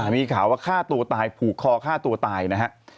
มีข่าวว่าฆ่าตัวตายผูกคอฆ่าตัวตายนะฮะ